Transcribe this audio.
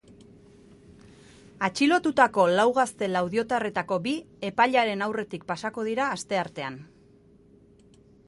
Atxilotutako lau gazte laudiotarretako bi epailearen aurretik pasako dira asteartean.